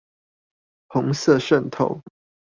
紅色滲透